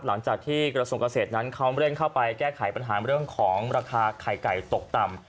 หลังจากที่กระทรวงเกษตรนั้นเขาเร่งเข้าไปแก้ไขปัญหาเรื่องของราคาไข่ไก่ตกต่ำ